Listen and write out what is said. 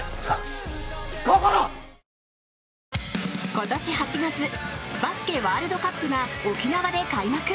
今年８月バスケワールドカップが沖縄で開幕！